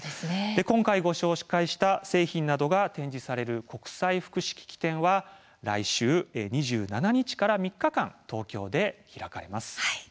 今回ご紹介した製品などが展示される国際福祉機器展は来週２７日から３日間東京で開かれます。